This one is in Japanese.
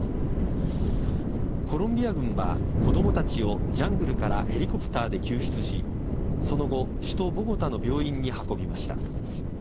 コロンビア軍は子供たちをジャングルからヘリコプターで救出しその後、首都・ボゴタの病院に運びました。